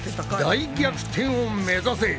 大逆転を目指せ！